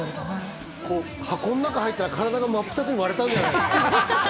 箱ん中入ったら、体が真っ二つに割れたんじゃない？